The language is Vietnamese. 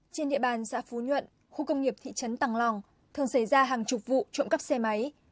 trên địa bàn xã phú nhuận khu công nghiệp thị trấn tăng lòng thường xảy ra hàng chục vụ trộm cắp xe máy